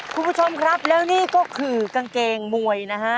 คุณผู้ชมครับแล้วนี่ก็คือกางเกงมวยนะฮะ